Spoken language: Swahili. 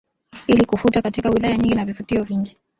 ili kufuta katika wilaya nyingi na vivutio vingi